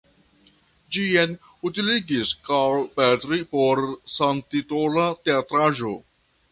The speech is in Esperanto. Ĝin utiligis Karl Petri por samtitola teatraĵo.